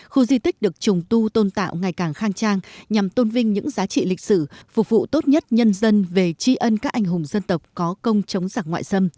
khu di tích được trùng tu tôn tạo ngày càng khang trang nhằm tôn vinh những giá trị lịch sử phục vụ tốt nhất nhân dân về tri ân các anh hùng dân tộc có công chống giặc ngoại xâm